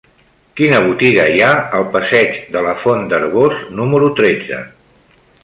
Quina botiga hi ha al passeig de la Font d'Arboç número tretze?